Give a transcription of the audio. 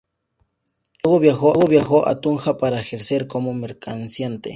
Luego viajó a Tunja para ejercer como comerciante.